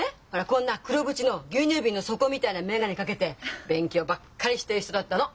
こんな黒縁の牛乳瓶の底みたいな眼鏡かけて勉強ばっかりしてる人だったの。